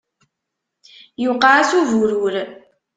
Yuqeɛ-as uburur.